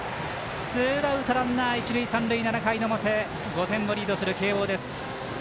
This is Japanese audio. ツーアウト、ランナー、一塁三塁７回表５点をリードする慶応。